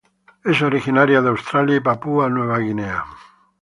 Es originaria de Australia y Papúa Nueva Guinea.